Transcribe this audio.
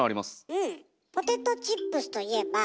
うん。